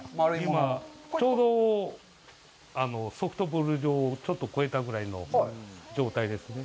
今ちょうどソフトボール状、ちょっと超えたぐらいの状態ですね。